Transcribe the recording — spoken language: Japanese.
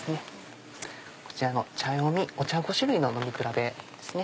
こちらの茶詠みお茶５種類の飲み比べですね。